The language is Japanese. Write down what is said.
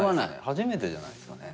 初めてじゃないですかね？